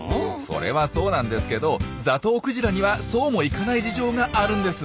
それはそうなんですけどザトウクジラにはそうもいかない事情があるんです。